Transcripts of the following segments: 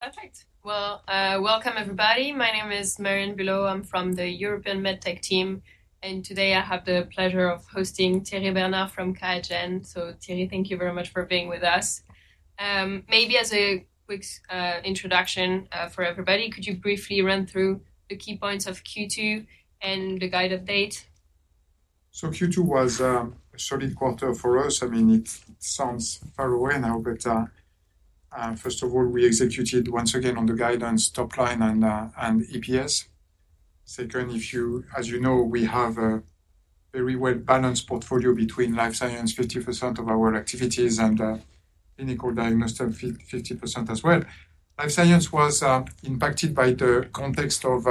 Perfect! Well, welcome everybody. My name is Marion Bulot. I'm from the European MedTech Team, and today I have the pleasure of hosting Thierry Bernard from QIAGEN. So, Thierry, thank you very much for being with us. Maybe as a quick introduction for everybody, could you briefly run through the key points of Q2 and the guide update? Q2 was a solid quarter for us. I mean, it sounds far away now, but first of all, we executed once again on the guidance topline and EPS. Second, as you know, we have a very well-balanced portfolio between life science, 50% of our activities, and clinical diagnostic 50, 50% as well. Life science was impacted by the context of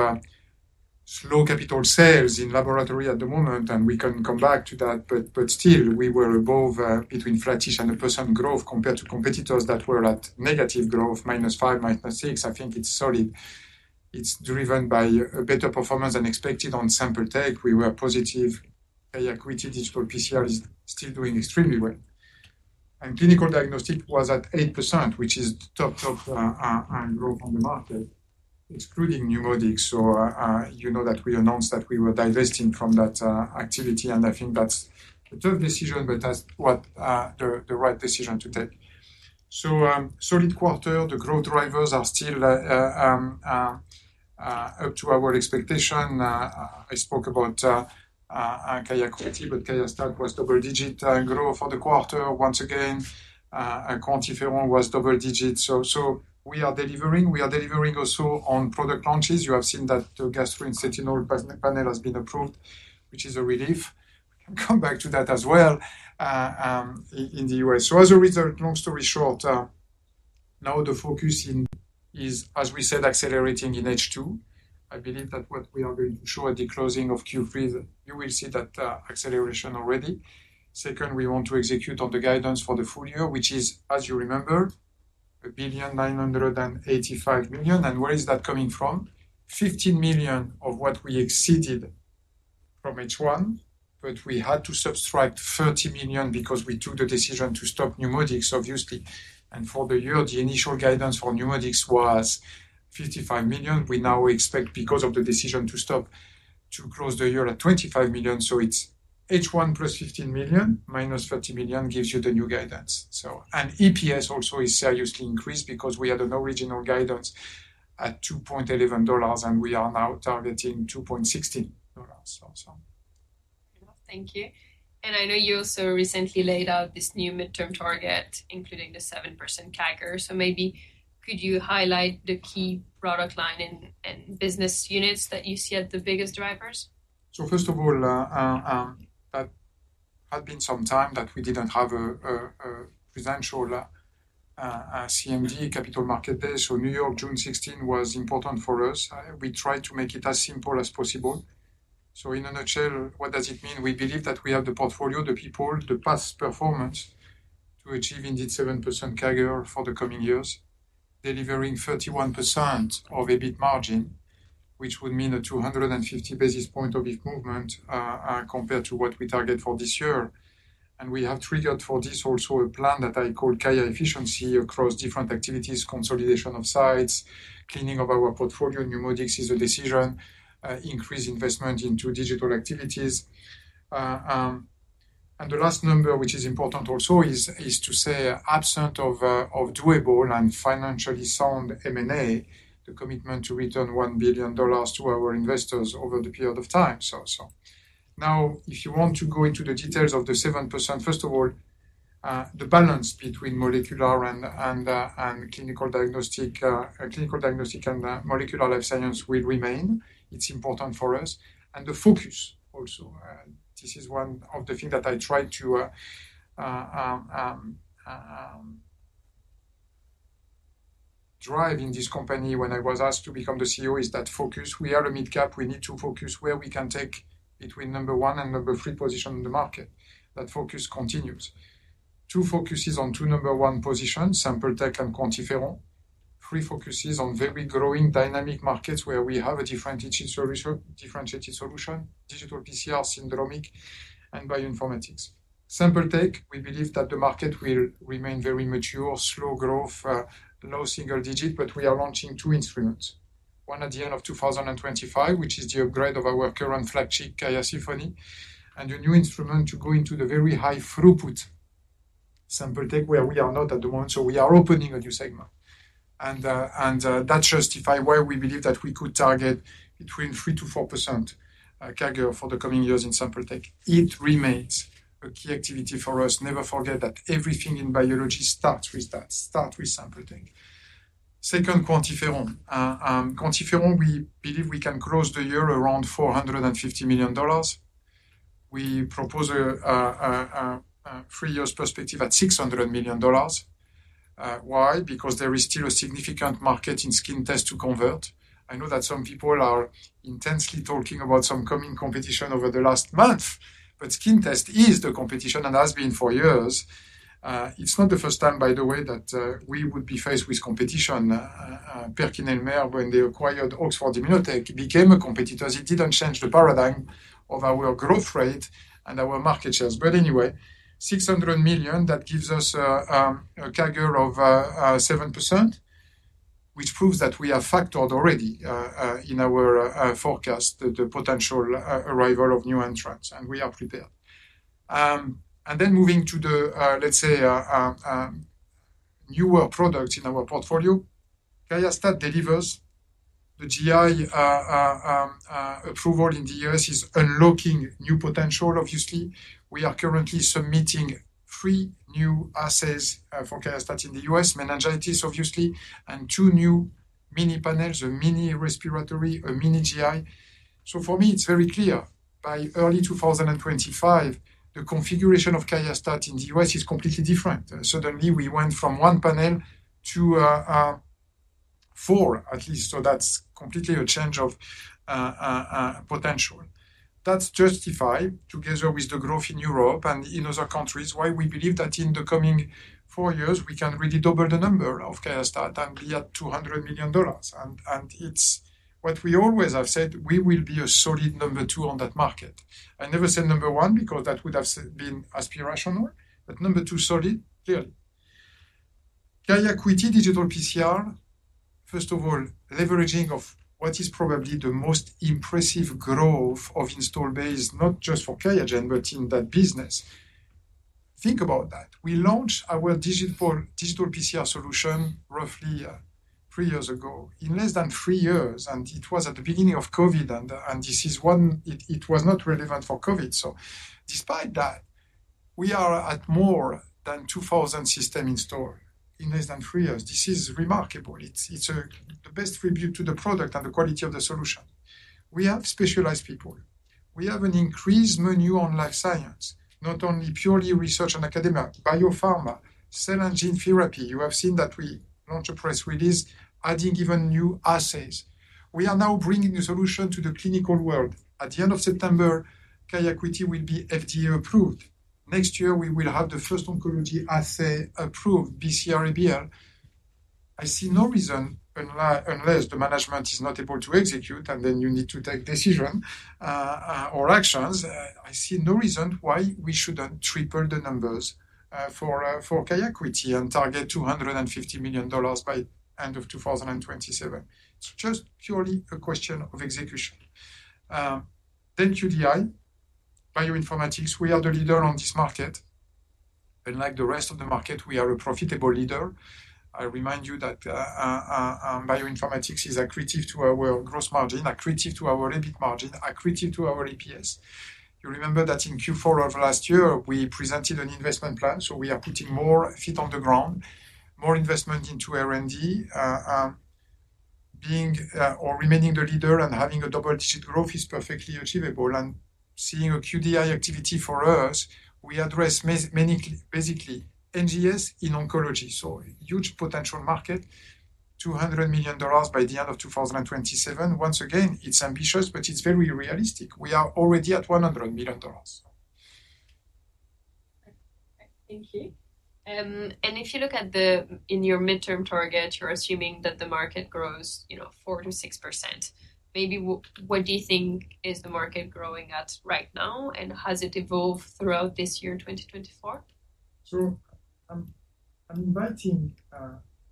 slow capital sales in laboratory at the moment, and we can come back to that, but still, we were above between flattish and 1% growth compared to competitors that were at negative growth, -5%, -6%. I think it's solid. It's driven by a better performance than expected. On Sample Tech, we were positive. QIAcuity Digital PCR is still doing extremely well. Clinical diagnostic was at 8%, which is top, top growth on the market, excluding NeuMoDx. You know that we announced that we were divesting from that activity, and I think that's a tough decision, but that's what the right decision to take. Solid quarter, the growth drivers are still up to our expectation. I spoke about QIAcuity, but QIAstat was double-digit growth for the quarter once again, and QuantiFERON was double digits. We are delivering. We are delivering also on product launches. You have seen that the gastric and C. difficile panel has been approved, which is a relief. We can come back to that as well in the U.S. As a result, long story short, now the focus is, as we said, accelerating in H2. I believe that what we are going to show at the closing of Q3, you will see that acceleration already. Second, we want to execute on the guidance for the full year, which is, as you remember, $1.985 billion. And where is that coming from? $15 million of what we exceeded from H1, but we had to subtract $30 million because we took the decision to stop NeuMoDx, obviously. And for the year, the initial guidance for NeuMoDx was $55 million. We now expect, because of the decision to stop, to close the year at $25 million. It's H1 plus $15 million, minus $30 million, gives you the new guidance, so. EPS also is seriously increased because we had an original guidance at $2.11, and we are now targeting $2.16, so. Thank you. I know you also recently laid out this new midterm target, including the 7% CAGR. Maybe could you highlight the key product line and business units that you see as the biggest drivers? So first of all, that had been some time that we didn't have a presential CMD, Capital Market Day. So New York, June 16, was important for us. We tried to make it as simple as possible. So in a nutshell, what does it mean? We believe that we have the portfolio, the people, the past performance to achieve indeed 7% CAGR for the coming years, delivering 31% of EBIT margin, which would mean a 250 basis point of EBIT movement, compared to what we targeted for this year. And we have triggered for this also a plan that I call QIAGEN efficiency across different activities, consolidation of sites, cleaning up our portfolio. NeuMoDx is a decision, increase investment into digital activities. And the last number, which is important also, is to say, absent of doable and financially sound M&A, the commitment to return $1 billion to our investors over the period of time, so. Now, if you want to go into the details of the 7%, first of all, the balance between molecular and clinical diagnostic and molecular life science will remain. It's important for us, and the focus also. This is one of the things that I tried to drive in this company when I was asked to become the CEO, is that focus. We are a mid-cap. We need to focus where we can take between number one and number three position in the market. That focus continues. Two, focus is on two number-one positions, Sample Tech and QuantiFERON. Three, focus is on very growing dynamic markets where we have a differentiated solution, digital PCR, syndromic, and bioinformatics. Sample Tech, we believe that the market will remain very mature, slow growth, low single-digit, but we are launching two instruments. One at the end of 2025, which is the upgrade of our current flagship, QIAsymphony, and a new instrument to go into the very high throughput Sample Tech, where we are not at the moment. So we are opening a new segment. And that justifies why we believe that we could target between 3%-4%, CAGR for the coming years in Sample Tech. It remains a key activity for us. Never forget that everything in biology starts with Sample Tech. Second, QuantiFERON. QuantiFERON, we believe we can close the year around $450 million. We propose a three-years perspective at $600 million. Why? Because there is still a significant market in skin test to convert. I know that some people are intensely talking about some coming competition over the last month, but skin test is the competition and has been for years. It's not the first time, by the way, that we would be faced with competition. PerkinElmer, when they acquired Oxford Immunotec, became a competitor. It didn't change the paradigm of our growth rate and our market shares. But anyway, $600 million, that gives us a CAGR of 7%.... which proves that we have factored already in our forecast the potential arrival of new entrants, and we are prepared. And then moving to the let's say newer products in our portfolio. QIAstat delivers the GI approval in the U.S. is unlocking new potential obviously. We are currently submitting three new assays for QIAstat in the U.S., meningitis obviously, and two new mini panels, a mini respiratory, a mini GI. So for me, it's very clear. By early two thousand and twenty-five, the configuration of QIAstat in the U.S. is completely different. Suddenly, we went from one panel to four at least, so that's completely a change of potential. That's justified, together with the growth in Europe and in other countries, why we believe that in the coming four years, we can really double the number of QIAstat and be at $200 million, and it's what we always have said, we will be a solid number two on that market. I never said number one because that would have been aspirational, but number two, solid, clearly. QIAcuity digital PCR, first of all, leveraging of what is probably the most impressive growth of installed base, not just for QIAGEN, but in that business. Think about that. We launched our digital PCR solution roughly three years ago. In less than three years, and it was at the beginning of COVID, and this is one. It was not relevant for COVID. Despite that, we are at more than two thousand systems installed in less than three years. This is remarkable. It's a, the best tribute to the product and the quality of the solution. We have specialized people. We have an increased menu on life science, not only purely research and academia, biopharma, cell and gene therapy. You have seen that we launched a press release, adding even new assays. We are now bringing a solution to the clinical world. At the end of September, QIAcuity will be FDA approved. Next year, we will have the first oncology assay approved, BCR-ABL. I see no reason unless the management is not able to execute, and then you need to take decision, or actions. I see no reason why we shouldn't triple the numbers for QIAcuity and target $250 million by end of 2027. It's just purely a question of execution. Then QDI bioinformatics, we are the leader on this market, and like the rest of the market, we are a profitable leader. I remind you that bioinformatics is accretive to our gross margin, accretive to our EBIT margin, accretive to our EPS. You remember that in Q4 of last year, we presented an investment plan, so we are putting more feet on the ground, more investment into R&D. Being or remaining the leader and having a double-digit growth is perfectly achievable, and seeing a QDI activity for us, we address many, basically, NGS in oncology, so huge potential market, $200 million by the end of 2027. Once again, it's ambitious, but it's very realistic. We are already at $100 million. Thank you. And if you look at, in your midterm target, you're assuming that the market grows, you know, 4%-6%. Maybe what do you think is the market growing at right now, and has it evolved throughout this year, 2024? So I'm inviting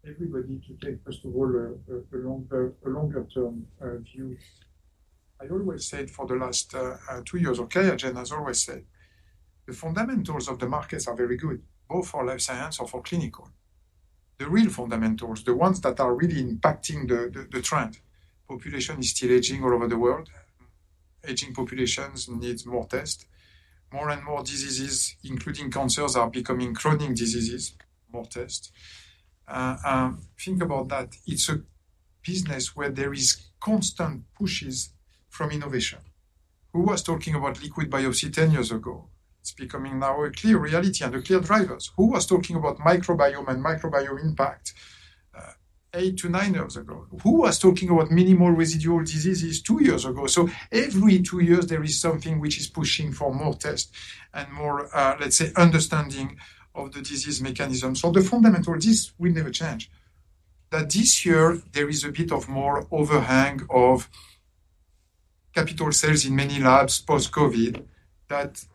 everybody to take, first of all, a longer-term view. I always said for the last two years, or QIAGEN has always said, the fundamentals of the markets are very good, both for life science or for clinical. The real fundamentals, the ones that are really impacting the trend. Population is still aging all over the world. Aging populations needs more test. More and more diseases, including cancers, are becoming chronic diseases, more test. Think about that. It's a business where there is constant pushes from innovation. Who was talking about liquid biopsy ten years ago? It's becoming now a clear reality and a clear drivers. Who was talking about microbiome and microbiome impact, eight to nine years ago? Who was talking about minimal residual diseases two years ago? So every two years there is something which is pushing for more test and more, let's say, understanding of the disease mechanism. So the fundamental, this will never change. That this year there is a bit of more overhang of capital sales in many labs post-COVID, that,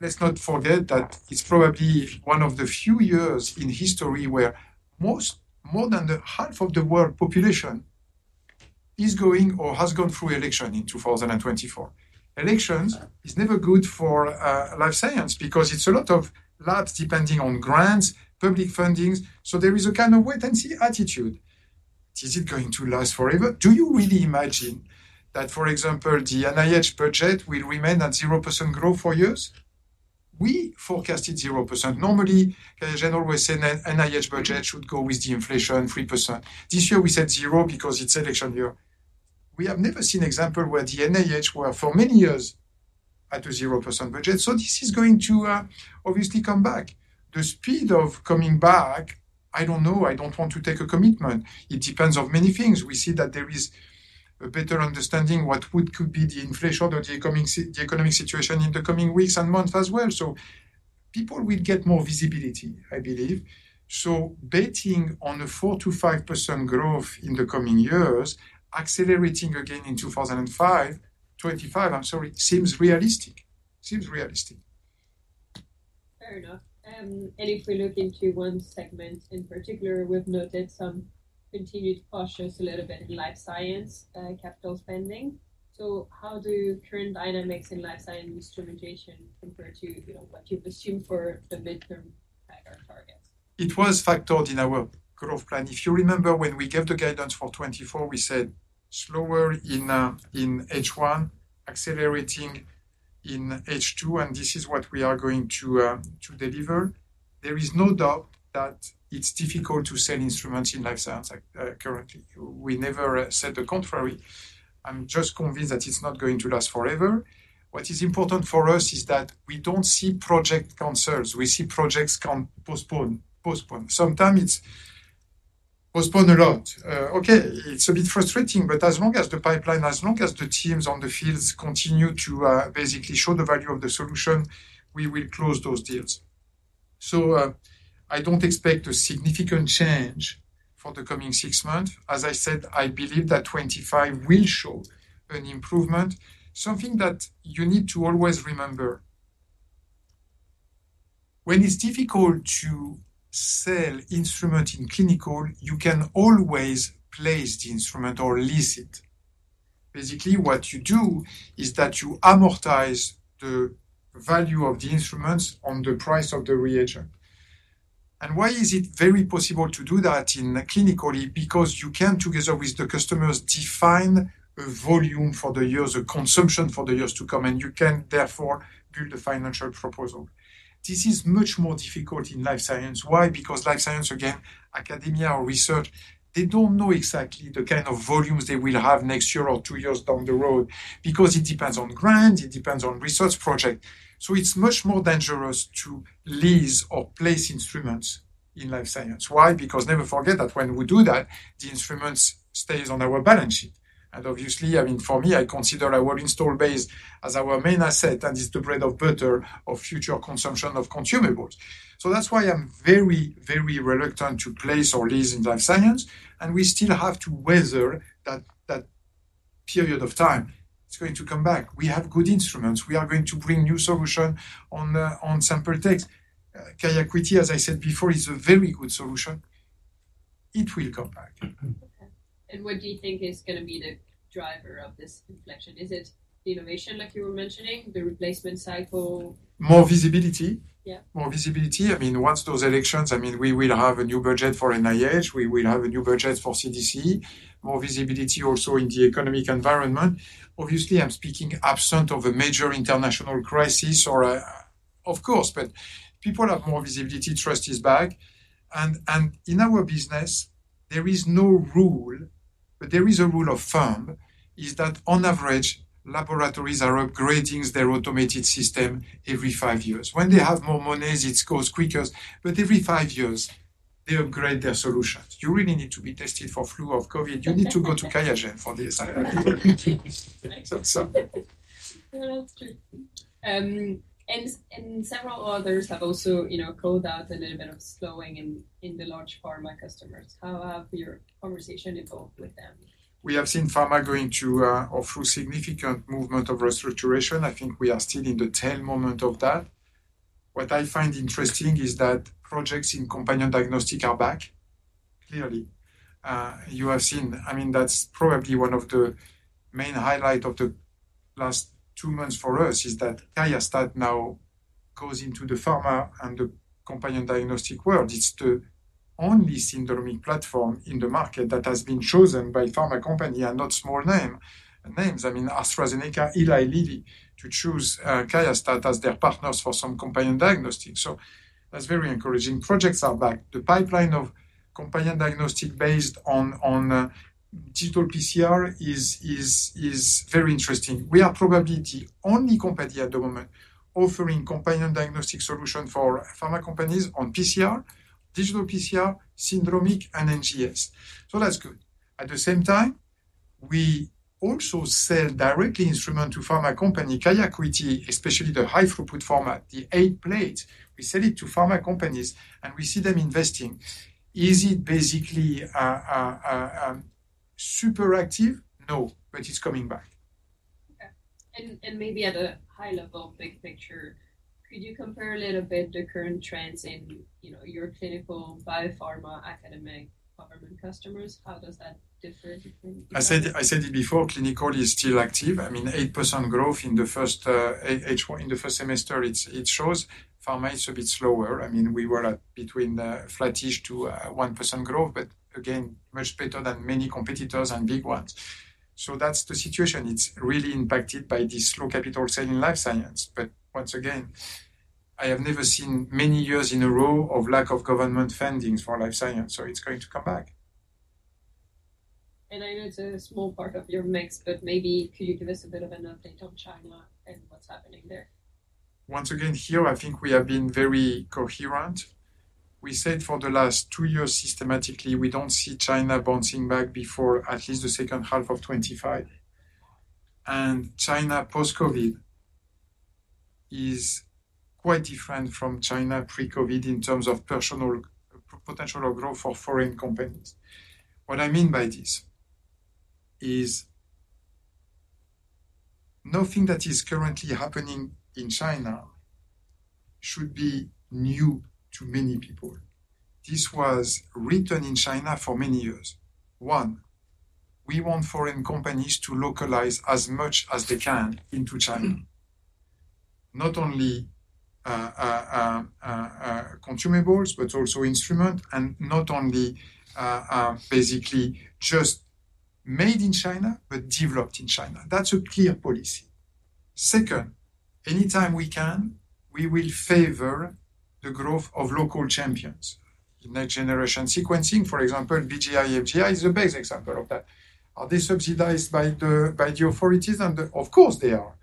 let's not forget that it's probably one of the few years in history where most, more than the half of the world population is going or has gone through election in 2024. Elections is never good for, life science because it's a lot of labs depending on grants, public fundings, so there is a kind of wait-and-see attitude. Is it going to last forever? Do you really imagine that, for example, the NIH budget will remain at 0% growth for years? We forecasted 0%. Normally, QIAGEN always says the NIH budget should go with the inflation, 3%. This year we said zero because it's election year. We have never seen example where the NIH were for many years at a 0% budget, so this is going to obviously come back. The speed of coming back, I don't know. I don't want to take a commitment. It depends on many things. We see that there is a better understanding what could be the inflation or the economic situation in the coming weeks and months as well. So people will get more visibility, I believe. So betting on a 4%-5% growth in the coming years, accelerating again in 2025, I'm sorry, seems realistic. Seems realistic. Fair enough. And if we look into one segment in particular, we've noted some continued cautious, a little bit in life science, capital spending. So how do current dynamics in life science instrumentation compare to, you know, what you've assumed for the midterm, targets? It was factored in our growth plan. If you remember, when we gave the guidance for 2024, we said slower in in H1, accelerating in H2, and this is what we are going to to deliver. There is no doubt that it's difficult to sell instruments in life science currently. We never said the contrary. I'm just convinced that it's not going to last forever. What is important for us is that we don't see project cancels, we see projects postpone, postpone. Sometimes it's postponed a lot. Okay, it's a bit frustrating, but as long as the pipeline, as long as the teams on the fields continue to basically show the value of the solution, we will close those deals. So, I don't expect a significant change for the coming six months. As I said, I believe that 2025 will show an improvement. Something that you need to always remember, when it's difficult to sell instrument in clinical, you can always place the instrument or lease it. Basically, what you do is that you amortize the value of the instruments on the price of the reagent. And why is it very possible to do that in clinically? Because you can, together with the customers, define a volume for the years, the consumption for the years to come, and you can therefore build a financial proposal. This is much more difficult in life science. Why? Because life science, again, academia or research, they don't know exactly the kind of volumes they will have next year or two years down the road, because it depends on grant, it depends on research project. So it's much more dangerous to lease or place instruments in life science. Why? Because never forget that when we do that, the instruments stay on our balance sheet. And obviously, I mean, for me, I consider our installed base as our main asset, and it's the bread and butter of future consumption of consumables. So that's why I'm very, very reluctant to place or lease in life science, and we still have to weather that period of time. It's going to come back. We have good instruments. We are going to bring new solution on Sample Tech. QIAcuity, as I said before, is a very good solution. It will come back. Okay, and what do you think is gonna be the driver of this inflection? Is it the innovation, like you were mentioning, the replacement cycle? More visibility. Yeah. More visibility. I mean, once those elections, I mean, we will have a new budget for NIH, we will have a new budget for CDC, more visibility also in the economic environment. Obviously, I'm speaking absent of a major international crisis or. Of course, but people have more visibility, trust is back. And in our business, there is no rule, but there is a rule of thumb, is that on average, laboratories are upgrading their automated system every five years. When they have more monies, it goes quicker, but every five years, they upgrade their solutions. You really need to be tested for flu or COVID. You need to go to QIAGEN for this. So. That's true. Several others have also, you know, called out a little bit of slowing in the large pharma customers. How have your conversation evolved with them? We have seen pharma going through or through significant movement of restructuring. I think we are still in the tail end of that. What I find interesting is that projects in companion diagnostic are back, clearly. You have seen. I mean, that's probably one of the main highlight of the last two months for us, is that QIAstat now goes into the pharma and the companion diagnostic world. It's the only syndromic platform in the market that has been chosen by pharma company, and not small name, names. I mean, AstraZeneca, Eli Lilly, to choose QIAstat as their partners for some companion diagnostics. So that's very encouraging. Projects are back. The pipeline of companion diagnostic based on digital PCR is very interesting. We are probably the only company at the moment offering companion diagnostic solution for pharma companies on PCR, digital PCR, syndromic, and NGS. That's good. At the same time, we also sell directly instrument to pharma company, QIAcuity, especially the high-throughput format, the eight plate. We sell it to pharma companies, and we see them investing. Is it basically super active? No, but it's coming back. Okay. And, maybe at a high level, big picture, could you compare a little bit the current trends in, you know, your clinical biopharma, academic, government customers? How does that differ between- I said, I said it before, clinical is still active. I mean, 8% growth in the first semester, it shows pharma is a bit slower. I mean, we were at between flattish to 1% growth, but again, much better than many competitors and big ones. So that's the situation. It's really impacted by this low capital sale in life science. But once again, I have never seen many years in a row of lack of government fundings for life science, so it's going to come back. I know it's a small part of your mix, but maybe could you give us a bit of an update on China and what's happening there? Once again, here, I think we have been very coherent. We said for the last two years, systematically, we don't see China bouncing back before at least the second half of twenty-five, and China post-COVID is quite different from China pre-COVID in terms of potential or growth for foreign companies. What I mean by this is nothing that is currently happening in China should be new to many people. This was written in China for many years. One, we want foreign companies to localize as much as they can into China. Not only consumables, but also instrument, and not only basically just made in China, but developed in China. That's a clear policy. Second, anytime we can, we will favor the growth of local champions. In next-generation sequencing, for example, BGI, MGI is the best example of that. Are they subsidized by the authorities? And, of course, they are.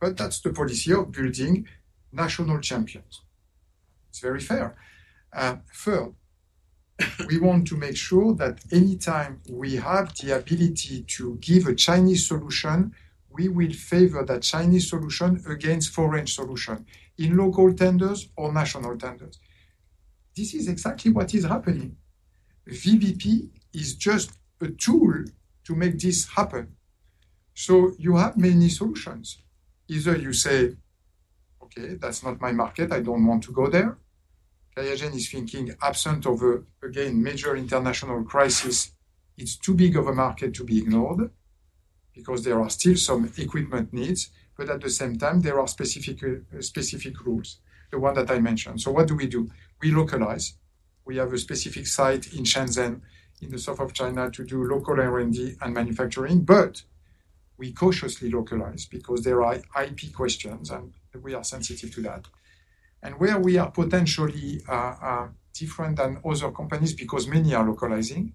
But that's the policy of building national champions. It's very fair. Third, we want to make sure that anytime we have the ability to give a Chinese solution, we will favor that Chinese solution against foreign solution in local tenders or national tenders. This is exactly what is happening. VBP is just a tool to make this happen. So you have many solutions. Either you say, "Okay, that's not my market. I don't want to go there." QIAGEN is thinking, absent a major international crisis, it's too big of a market to be ignored because there are still some equipment needs, but at the same time, there are specific rules, the one that I mentioned. So what do we do? We localize. We have a specific site in Shenzhen, in the south of China, to do local R&D and manufacturing, but we cautiously localize because there are IP questions, and we are sensitive to that. And where we are potentially different than other companies, because many are localizing,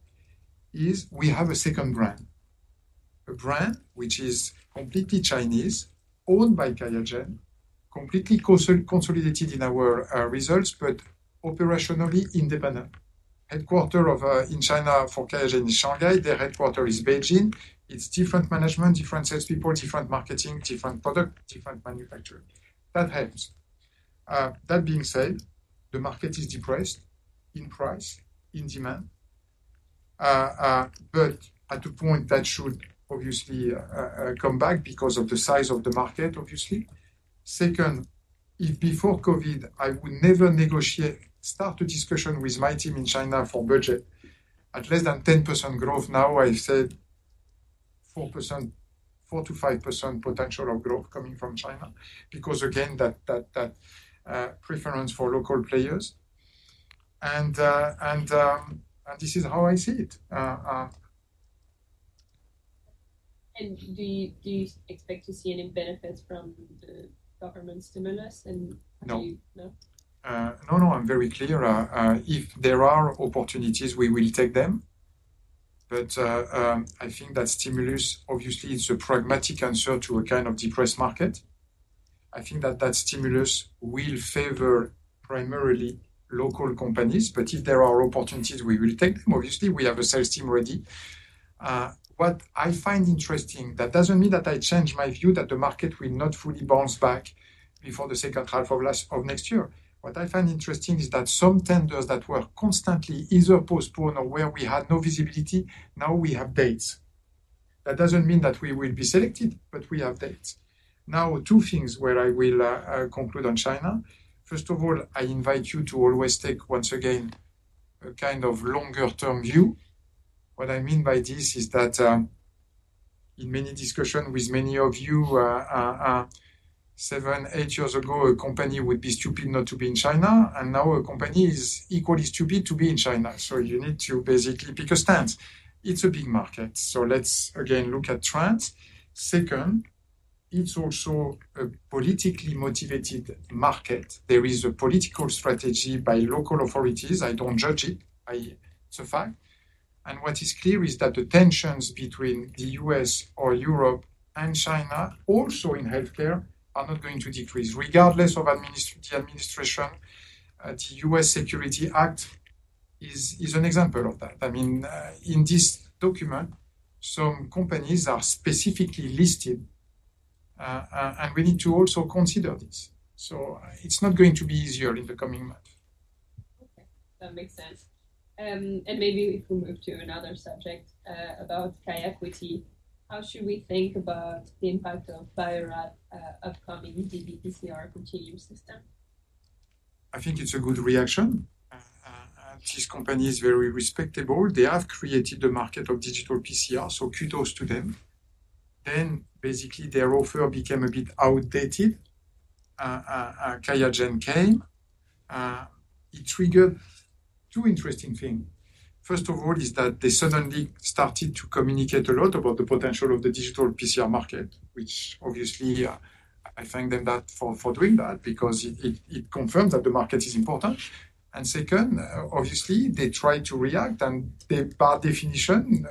is we have a second brand. A brand which is completely Chinese, owned by QIAGEN, completely consolidated in our results, but operationally independent. Headquarters in China for QIAGEN is Shanghai. Their headquarters is Beijing. It's different management, different salespeople, different marketing, different product, different manufacturer. That helps. That being said, the market is depressed in price, in demand, but at a point that should obviously come back because of the size of the market, obviously. Second, if before COVID, I would never start a discussion with my team in China for budget at less than 10% growth. Now I said 4%-5% potential of growth coming from China, because, again, that preference for local players. This is how I see it. And do you expect to see any benefits from the government stimulus, and do you- No. No? No, no, I'm very clear. If there are opportunities, we will take them. But, I think that stimulus, obviously, is a pragmatic answer to a kind of depressed market. I think that that stimulus will favor primarily local companies, but if there are opportunities, we will take them. Obviously, we have a sales team ready. What I find interesting, that doesn't mean that I change my view that the market will not fully bounce back before the second half of next year. What I find interesting is that some tenders that were constantly either postponed or where we had no visibility, now we have dates. That doesn't mean that we will be selected, but we have dates. Now, two things where I will conclude on China. First of all, I invite you to always take, once again, a kind of longer-term view. What I mean by this is that, in many discussions with many of you, seven, eight years ago, a company would be stupid not to be in China, and now a company is equally stupid to be in China, so you need to basically pick a stance. It's a big market, so let's again, look at trends. Second, it's also a politically motivated market. There is a political strategy by local authorities. I don't judge it. It's a fact, and what is clear is that the tensions between the U.S. or Europe and China, also in healthcare, are not going to decrease. Regardless of the administration, the U.S. Security Act is an example of that. I mean, in this document, some companies are specifically listed, and we need to also consider this, so it's not going to be easier in the coming months. Okay, that makes sense. And maybe we can move to another subject about QI equity. How should we think about the impact of Bio-Rad upcoming dPCR continuum system? I think it's a good reaction. This company is very respectable. They have created the market of digital PCR, so kudos to them. Then basically, their offer became a bit outdated. QIAGEN came. It triggered two interesting things. First of all, is that they suddenly started to communicate a lot about the potential of the digital PCR market, which obviously I thank them for doing that because it confirms that the market is important. And second, obviously, they tried to react, and they by definition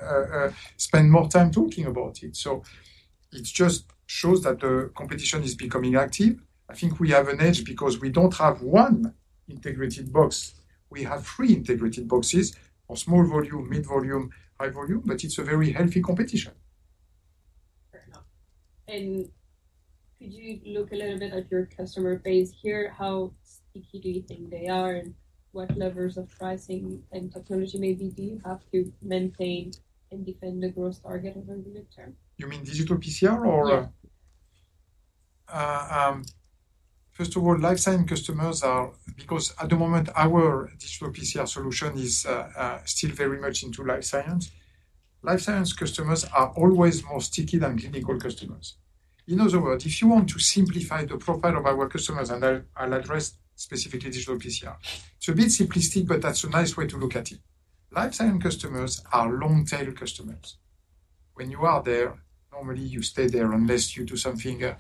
spend more time talking about it. So it just shows that the competition is becoming active. I think we have an edge because we don't have one integrated box. We have three integrated boxes for small volume, mid volume, high volume, but it's a very healthy competition. Fair enough. Could you look a little bit at your customer base here? How sticky do you think they are, and what levels of pricing and technology maybe do you have to maintain and defend the growth target over the midterm? You mean digital PCR or? Yeah. First of all, life science customers are, because at the moment, our digital PCR solution is still very much into life science. Life science customers are always more sticky than clinical customers. In other words, if you want to simplify the profile of our customers, and I, I'll address specifically digital PCR. It's a bit simplistic, but that's a nice way to look at it. Life science customers are long-tail customers. When you are there, normally you stay there unless you do something.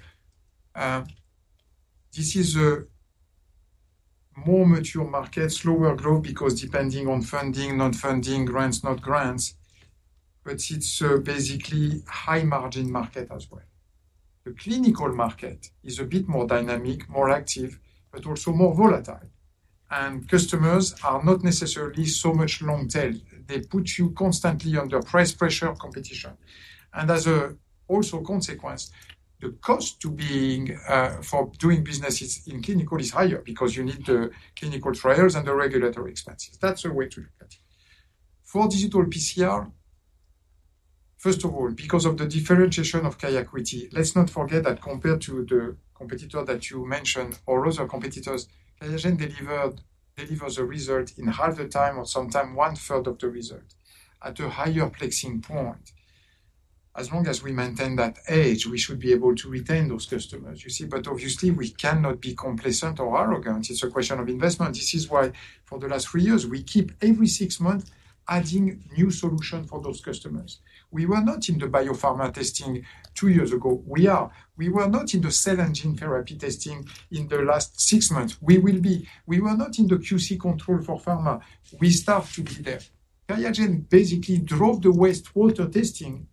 This is a more mature market, slower growth, because depending on funding, non-funding, grants, not grants, but it's a basically high-margin market as well. The clinical market is a bit more dynamic, more active, but also more volatile, and customers are not necessarily so much long tail. They put you constantly under price pressure, competition, and as a also consequence, the cost to being, for doing businesses in clinical is higher because you need the clinical trials and the regulatory expenses. That's a way to look at it. For digital PCR, first of all, because of the differentiation of QIAcuity, let's not forget that compared to the competitor that you mentioned or other competitors, QIAGEN delivered, delivers a result in half the time or sometime one-third of the result at a higher plexing point. As long as we maintain that edge, we should be able to retain those customers, you see. But obviously, we cannot be complacent or arrogant. It's a question of investment. This is why, for the last three years, we keep every six months adding new solution for those customers. We were not in the biopharma testing two years ago. We are. We were not in the cell and gene therapy testing in the last six months. We will be. We were not in the QC control for pharma. We start to be there. QIAGEN basically drove the wastewater testing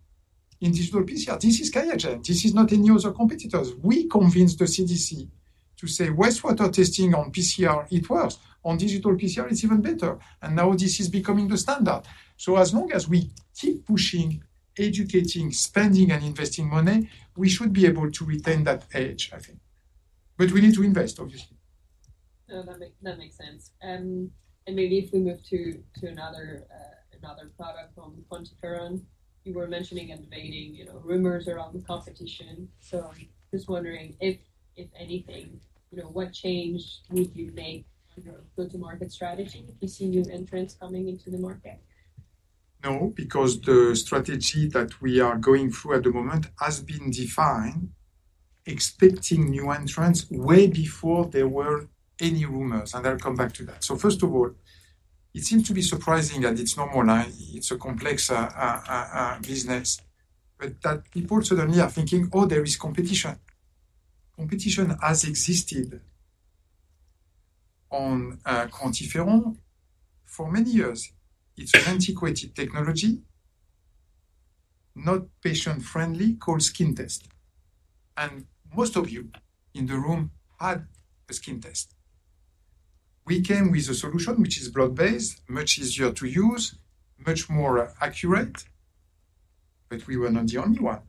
in digital PCR. This is QIAGEN. This is not any other competitors. We convinced the CDC to say, "Wastewater testing on PCR, it works. On digital PCR, it's even better." And now this is becoming the standard. So as long as we keep pushing, educating, spending, and investing money, we should be able to retain that edge, I think. But we need to invest, obviously. No, that makes sense. And maybe if we move to another product from QuantiFERON. You were mentioning and debating, you know, rumors around the competition. So I'm just wondering if anything, you know, what change would you make, you know, go-to-market strategy if you see new entrants coming into the market? No, because the strategy that we are going through at the moment has been defined, expecting new entrants way before there were any rumors, and I'll come back to that. So first of all, it seems to be surprising, and it's normal now. It's a complex business, but that people suddenly are thinking, "Oh, there is competition." Competition has existed on QuantiFERON for many years. It's an antiquated technology, not patient-friendly, called skin test, and most of you in the room had a skin test. We came with a solution which is blood-based, much easier to use, much more accurate, but we were not the only one.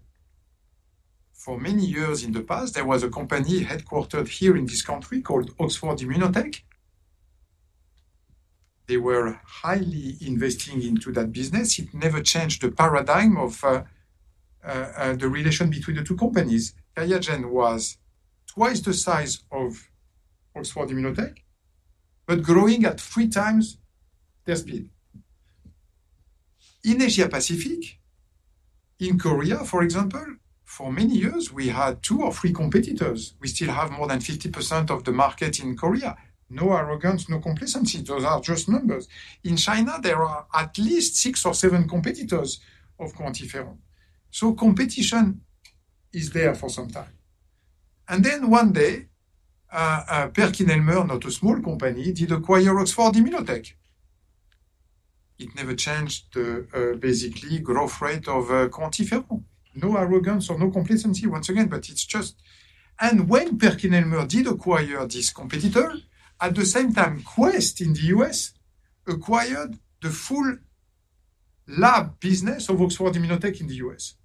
For many years in the past, there was a company headquartered here in this country called Oxford Immunotec. They were highly investing into that business. It never changed the paradigm of the relation between the two companies. QIAGEN was twice the size of Oxford Immunotec, but growing at three times their speed. In Asia Pacific, in Korea, for example, for many years, we had two or three competitors. We still have more than 50% of the market in Korea. No arrogance, no complacency, those are just numbers. In China, there are at least six or seven competitors of QuantiFERON. So competition is there for some time. And then one day, PerkinElmer, not a small company, did acquire Oxford Immunotec. It never changed the basically growth rate of QuantiFERON. No arrogance or no complacency once again, but it's just... And when PerkinElmer did acquire this competitor, at the same time, Quest in the U.S. acquired the full lab business of Oxford Immunotec in the U.S.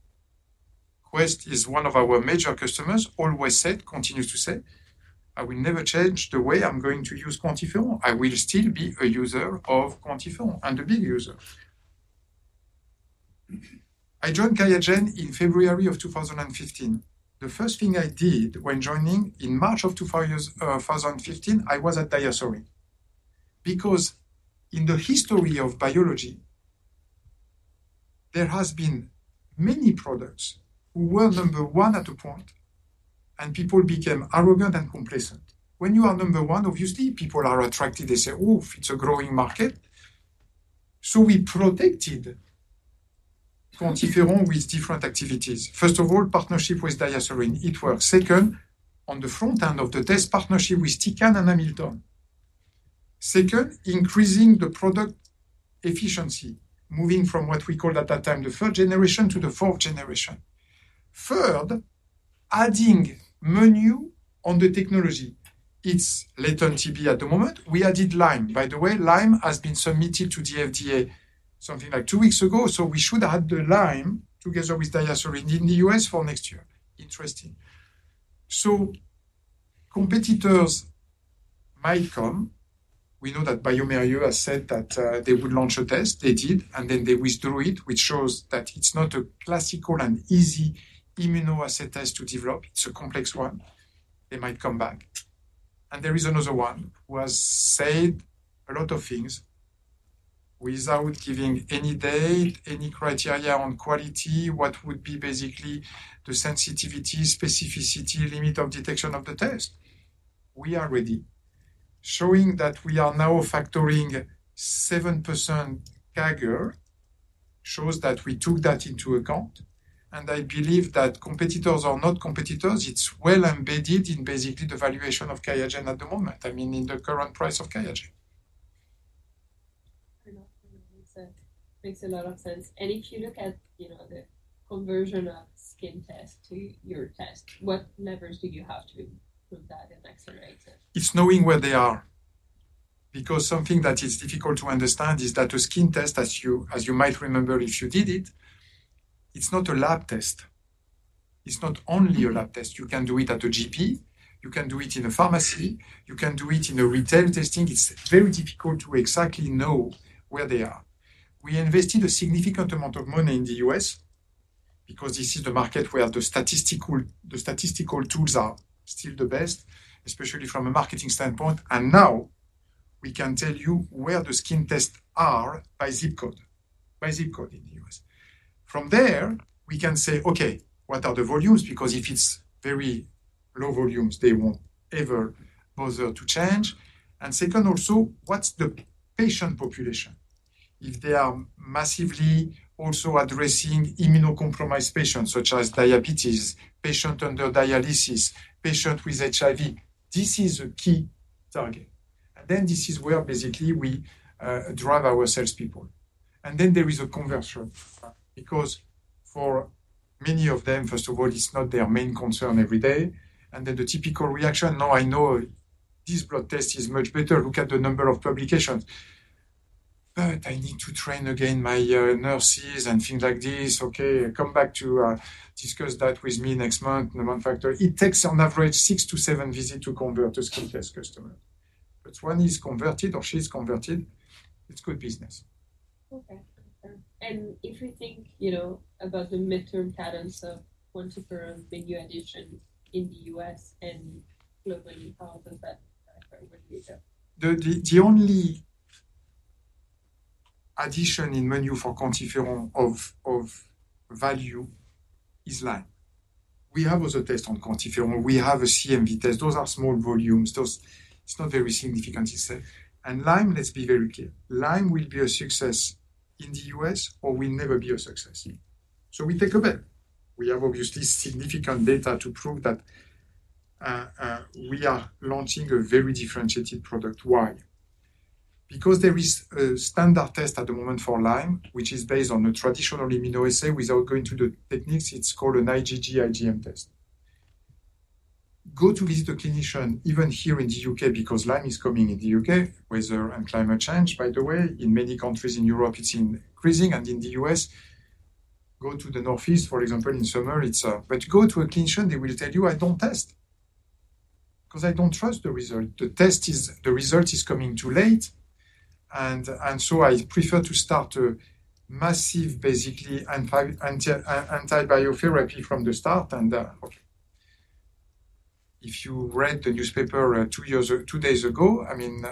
Quest is one of our major customers, always said, continues to say, "I will never change the way I'm going to use QuantiFERON. I will still be a user of QuantiFERON, and a big user." I joined QIAGEN in February of two thousand and fifteen. The first thing I did when joining in March of 2015, I was at DiaSorin. Because in the history of biology, there has been many products who were number one at a point, and people became arrogant and complacent. When you are number one, obviously, people are attracted. They say, "Oh, it's a growing market." So we protected QuantiFERON with different activities. First of all, partnership with DiaSorin, it worked. Second, on the front end of the test, partnership with Tecan and Hamilton. Second, increasing the product efficiency, moving from what we called at that time, the third generation to the fourth generation. Third, adding menu on the technology. It's latent TB at the moment. We added Lyme. By the way, Lyme has been submitted to the FDA something like two weeks ago, so we should have the Lyme together with DiaSorin in the U.S. for next year. Interesting. So competitors might come. We know that bioMérieux has said that they would launch a test. They did, and then they withdrew it, which shows that it's not a classical and easy immunoassay test to develop. It's a complex one. They might come back. And there is another one who has said a lot of things without giving any date, any criteria on quality, what would be basically the sensitivity, specificity, limit of detection of the test. We are ready. Showing that we are now factoring 7% CAGR shows that we took that into account, and I believe that competitors are not competitors. It's well embedded in basically the valuation of QIAGEN at the moment. I mean, in the current price of QIAGEN. Makes a lot of sense. And if you look at, you know, the conversion of skin test to your test, what levers do you have to improve that and accelerate it? It's knowing where they are. Because something that is difficult to understand is that a skin test, as you might remember, if you did it, it's not a lab test. It's not only a lab test. You can do it at a GP, you can do it in a pharmacy, you can do it in a retail testing. It's very difficult to exactly know where they are. We invested a significant amount of money in the U.S. because this is the market where the statistical tools are still the best, especially from a marketing standpoint. And now we can tell you where the skin tests are by zip code in the U.S. From there, we can say, "Okay, what are the volumes?" Because if it's very low volumes, they won't ever bother to change. And second, also, what's the patient population? If they are massively also addressing immunocompromised patients such as diabetes, patient under dialysis, patient with HIV, this is a key target, and then this is where basically we drive our salespeople, and then there is a conversion, because for many of them, first of all, it's not their main concern every day, and then the typical reaction, "Now, I know this blood test is much better. Look at the number of publications, but I need to train again my nurses and things like this. Okay, come back to discuss that with me next month." The month after. It takes on average, six to seven visits to convert a skin test customer, but when he's converted or she's converted, it's good business. Okay. And if you think you know about the midterm patterns of QuantiFERON menu addition in the U.S. and globally, how does that factor with data? The only addition in menu for QuantiFERON of value is Lyme. We have also a test on QuantiFERON. We have a CMV test. Those are small volumes. It's not very significant, you say, and Lyme, let's be very clear. Lyme will be a success in the U.S. or will never be a success, so we take a bet. We have obviously significant data to prove that we are launching a very differentiated product. Why? Because there is a standard test at the moment for Lyme, which is based on a traditional immunoassay. Without going into the techniques, it's called an IgG, IgM test. Go to visit a clinician, even here in the U.K., because Lyme is coming in the U.K., weather and climate change, by the way. In many countries in Europe, it's increasing, and in the US, go to the Northeast, for example, in summer, it's. But go to a clinician, they will tell you, "I don't test, 'cause I don't trust the result. The result is coming too late, and so I prefer to start a massive, basically, antibiotic therapy from the start." And if you read the newspaper, two days ago, I mean,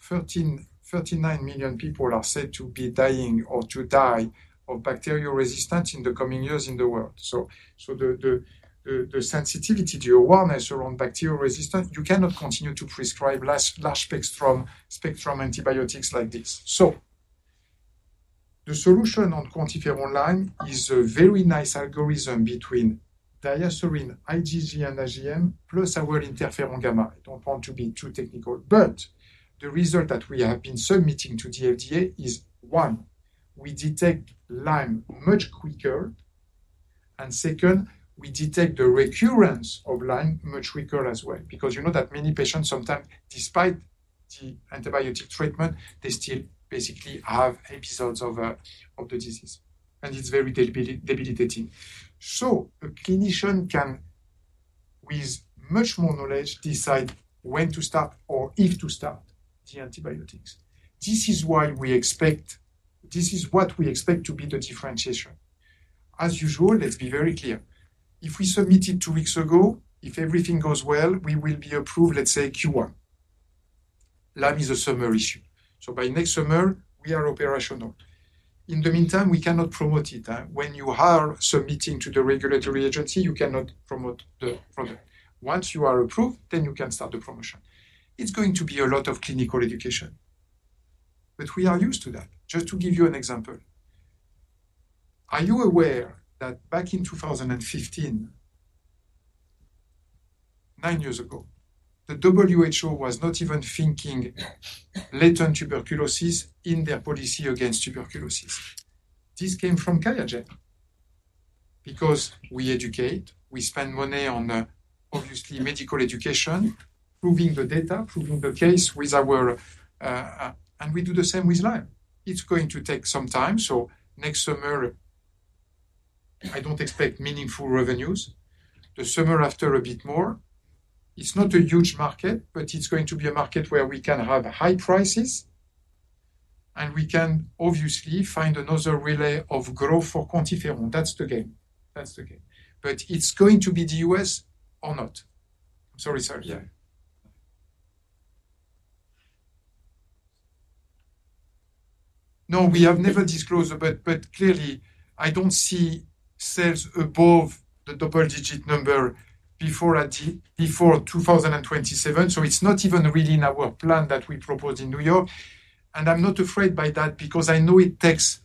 thirty-nine million people are said to be dying or to die of bacterial resistance in the coming years in the world. So the sensitivity, the awareness around bacterial resistance, you cannot continue to prescribe large spectrum antibiotics like this. So the solution on QuantiFERON Lyme is a very nice algorithm between DiaSorin, IgG and IgM, plus our interferon gamma. I don't want to be too technical, but the result that we have been submitting to the FDA is, one, we detect Lyme much quicker, and second, we detect the recurrence of Lyme much quicker as well. Because you know that many patients sometimes, despite the antibiotic treatment, they still basically have episodes of the disease, and it's very debilitating. So a clinician can, with much more knowledge, decide when to start or if to start the antibiotics. This is why we expect. This is what we expect to be the differentiation. As usual, let's be very clear. If we submitted two weeks ago, if everything goes well, we will be approved, let's say, Q1. Lyme is a summer issue, so by next summer, we are operational. In the meantime, we cannot promote it. When you are submitting to the regulatory agency, you cannot promote the product. Once you are approved, then you can start the promotion. It's going to be a lot of clinical education, but we are used to that. Just to give you an example, are you aware that back in 2015, nine years ago, the WHO was not even thinking latent tuberculosis in their policy against tuberculosis? This came from QIAGEN because we educate, we spend money on, obviously medical education, proving the data, proving the case with our, and we do the same with Lyme. It's going to take some time, so next summer, I don't expect meaningful revenues. The summer after, a bit more. It's not a huge market, but it's going to be a market where we can have high prices, and we can obviously find another relay of growth for QuantiFERON. That's the game. That's the game. But it's going to be the U.S. or not. I'm sorry, sir. Yeah. No, we have never disclosed it, but clearly, I don't see sales above the double-digit number before, I think, 2027. So it's not even really in our plan that we proposed in New York, and I'm not afraid by that because I know it takes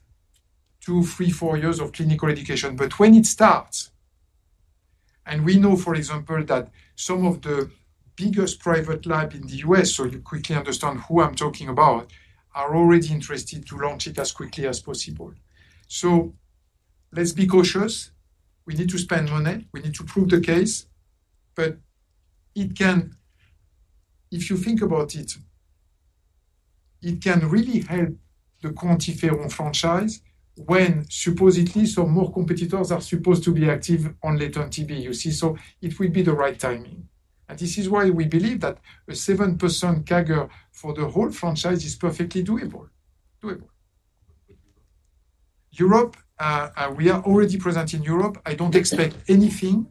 two, three, four years of clinical education. But when it starts, and we know, for example, that some of the biggest private lab in the U.S., so you quickly understand who I'm talking about, are already interested to launch it as quickly as possible. So let's be cautious. We need to spend money. We need to prove the case, but it can, if you think about it, it can really help the QuantiFERON franchise when supposedly some more competitors are supposed to be active on latent TB, you see? So it will be the right timing. And this is why we believe that a 7% CAGR for the whole franchise is perfectly doable. Doable. Europe, we are already present in Europe. I don't expect anything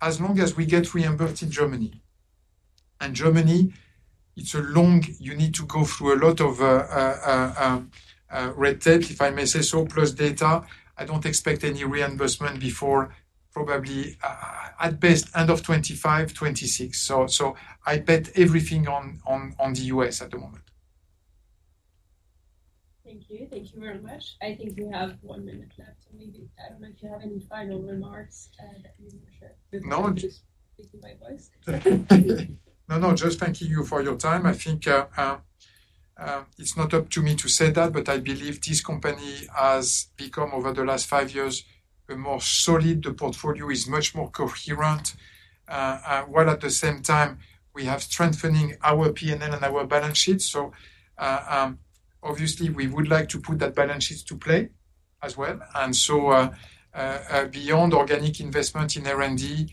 as long as we get reimbursed in Germany. And Germany, it's a long. You need to go through a lot of red tape, if I may say so, plus data. I don't expect any reimbursement before, probably, at best, end of 2025, 2026. So I bet everything on the U.S.at the moment. Thank you. Thank you very much. I think we have one minute left, so maybe, I don't know if you have any final remarks that you would share. No. Just speaking my voice. No, no, just thanking you for your time. I think, it's not up to me to say that, but I believe this company has become, over the last five years, the more solid. The portfolio is much more coherent. While at the same time, we have strengthening our PNL and our balance sheet. So, obviously, we would like to put that balance sheet to play as well. And so, beyond organic investment in R&D,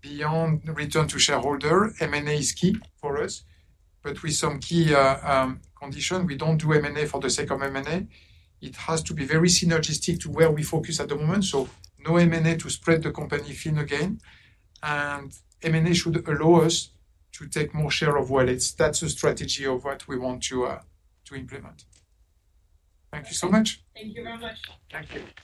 beyond return to shareholder, M&A is key for us, but with some key, condition. We don't do M&A for the sake of M&A. It has to be very synergistic to where we focus at the moment, so no M&A to spread the company thin again. And M&A should allow us to take more share of wallet. That's the strategy of what we want to implement. Thank you so much. Thank you very much. Thank you.